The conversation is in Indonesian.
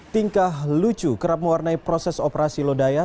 tingkah lucu kerap mewarnai proses operasi lodaya